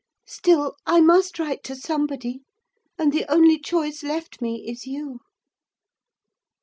Still, I must write to somebody, and the only choice left me is you.